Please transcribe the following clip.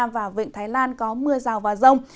và huyện thái lan có mưa rào và rông